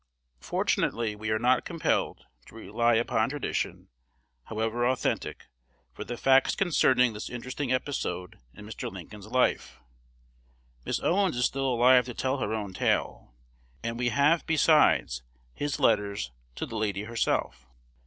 Fortunately we are not compelled, to rely upon tradition, however authentic, for the facts concerning this interesting episode in Mr. Lincoln's life. Miss Owens is still alive to tell her own tale, and we have besides his letters to the lady herself.